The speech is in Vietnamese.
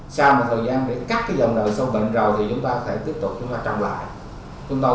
sau một thời gian để cắt cái vòng đời sông bệnh rầu thì chúng ta có thể tiếp tục trồng lại